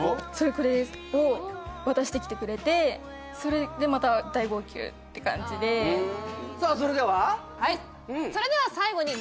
これですを渡してきてくれてそれでまた大号泣って感じでさあそれでは？